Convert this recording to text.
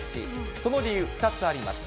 その理由、２つあります。